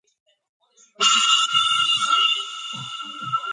მიუხედავად უხვი წვიმებისა, თითქმის არაა მცენარეული საფარი.